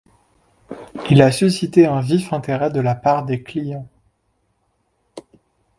Il a suscité un vif intérêt de la part des clients.